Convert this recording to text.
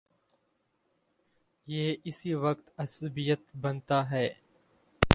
یہ اسی وقت عصبیت بنتا ہے۔